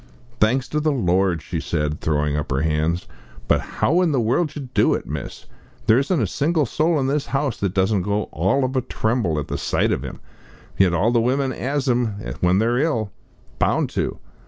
"Thanks to the Lord!" she said, throwing up her hands. "But how in the world did you do 't, miss? There isn't a single soul in this house that doesn't go all of a tremble at the sight of 'im. Yet all the women has 'im when they're ill bound to.